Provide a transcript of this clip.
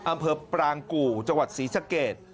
อำเภอปรางกู่จังหวัดศรีสะเกด